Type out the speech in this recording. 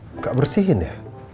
nggak bersihin ya